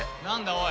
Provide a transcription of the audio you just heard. おい。